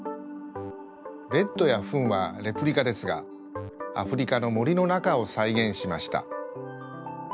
ベッドやフンはレプリカですがアフリカのもりのなかをさいげんしました。